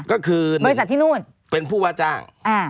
ก็คือ๑เป็นผู้พาใจ้อุง